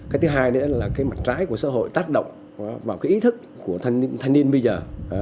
cái thứ hai nữa là cái mặt trái của xã hội tác động vào cái ý thức của thanh niên bây giờ